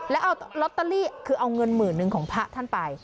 แล้วเอาลอตเตอรี่คือเอาเงินหมื่นหนึ่งของพระท่านไป